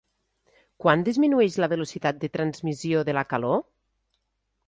Quan disminueix la velocitat de transmissió de la calor.?